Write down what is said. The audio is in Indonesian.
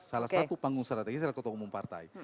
salah satu panggung strategis adalah ketua umum partai